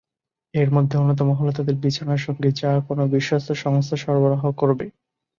এরমধ্যে অন্যতম হলো তাদের বিছানার সঙ্গী, যা কোন বিশ্বস্ত সংস্থা সরবরাহ করবে।